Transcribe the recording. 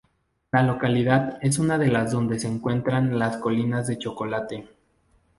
La localidad es una de las donde se encuentran las Colinas de Chocolate.